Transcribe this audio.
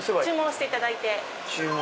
押していただいて。